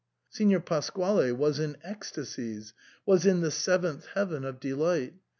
Signor Pasquale was in ectasies, was in the seventh heaven of delight.